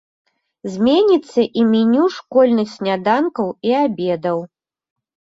Зменіцца і меню школьных сняданкаў і абедаў.